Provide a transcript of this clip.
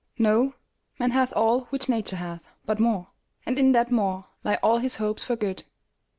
Know, man hath all which Nature hath, but more, And in that more lie all his hopes of good.